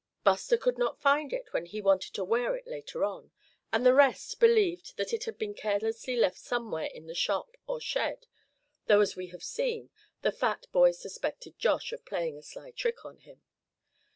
Buster could not find it when he wanted to wear it later on, and the rest believed that it had been carelessly left somewhere in the shop or shed, though as we have seen, the fat boy suspected Josh of playing a sly trick on him.